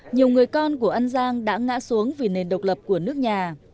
nhiều người con của an giang đã ngã xuống vì nền độc lập của nước nhà